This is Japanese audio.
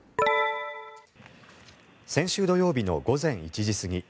先週土曜日の午前１時過ぎ